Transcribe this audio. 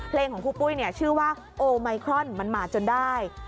ของครูปุ้ยชื่อว่าโอไมครอนมันมาจนได้